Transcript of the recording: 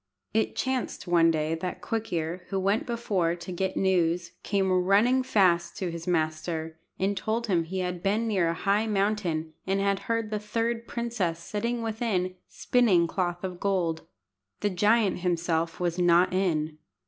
It chanced one day that Quick ear, who went before to get news, came running fast to his master, and told him he had been near a high mountain, and had heard the third princess sitting within, spinning cloth of gold. The giant himself was not in.